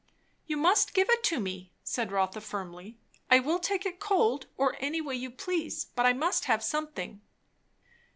"You must give it to me," said Rotha firmly. "I will take it cold, or any way you please; but I must have something."